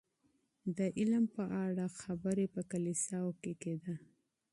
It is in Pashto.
د علم په اړه بحث په کليساوو کي کيده.